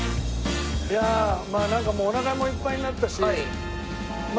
いやあまあなんかもうお腹もいっぱいになったしま